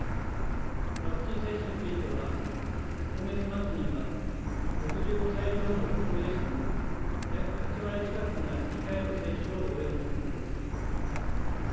ワクチン接種については、今月末には６５歳以上の高齢者の約８割近くが２回の接種を終える見込みです。